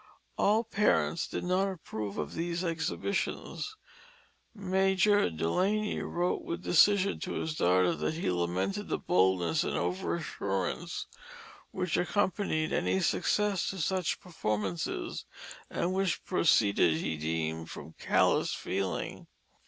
All parents did not approve of those exhibitions. Major Dulany wrote with decision to his daughter that he lamented the boldness and over assurance which accompanied any success in such performances, and which proceeded, he deemed, from callous feeling.